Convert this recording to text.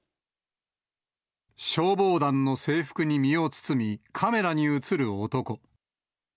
消防団の制服に身を包み、カメラに写る男。